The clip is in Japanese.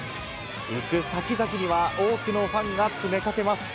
行く先々には多くのファンが詰めかけます。